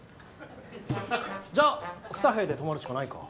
じゃあ２部屋で泊まるしかないか。